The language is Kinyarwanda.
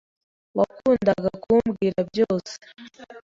Wakundaga kumbwira byose.